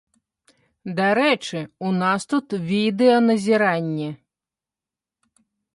Дарэчы, у нас тут відэаназіранне!